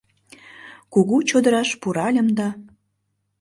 Кугу чодыраш пуральым да